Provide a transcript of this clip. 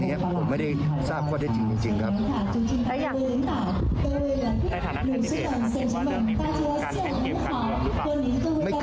ในระหว่างนี้ก่อนที่จะมีผอเลือกตั้ง